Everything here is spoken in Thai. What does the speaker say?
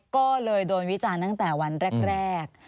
ก็เลยโดนวิจารณ์ตั้งแต่วันแรก